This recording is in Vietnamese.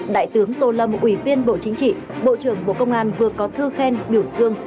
đại tướng tô lâm ủy viên bộ chính trị bộ trưởng bộ công an vừa có thư khen biểu dương